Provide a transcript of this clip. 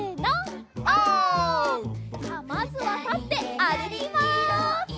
さあまずはたってあるきます！